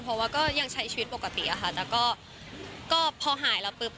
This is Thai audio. เพราะว่าก็ยังใช้ชีวิตปกติอะค่ะแต่ก็พอหายแล้วปุ๊บ